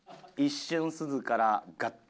一瞬すずから。